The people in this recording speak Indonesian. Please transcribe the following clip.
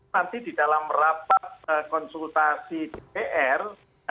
nanti di dalam rapat konsultasi dpr